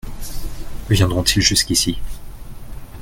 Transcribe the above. Viendront-ils jusqu’ici ?